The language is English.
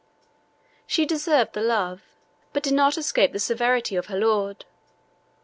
She deserved the love, but did not escape the severity, of her lord.